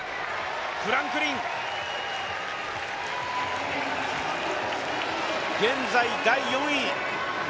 フランクリン、現在、第４位。